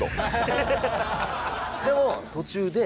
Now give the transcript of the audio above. でも途中で。